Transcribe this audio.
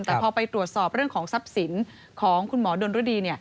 แต่พอไปตรวจสอบเรื่องของทรัพย์สินของคุณหมอดนรดี